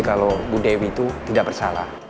kalau bu dewi itu tidak bersalah